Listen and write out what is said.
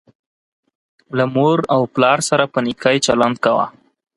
له مور او پلار سره په نیکۍ چلند کوه